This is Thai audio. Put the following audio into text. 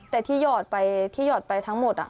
แต่ที่หยอดไปทั้งหมด